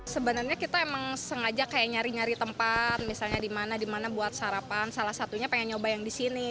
sebenarnya kita emang sengaja kayak nyari nyari tempat misalnya di mana dimana buat sarapan salah satunya pengen nyoba yang di sini